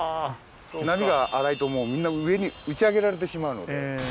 波が荒いとみんな上に打ち上げられてしまうので。